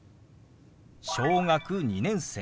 「小学２年生」。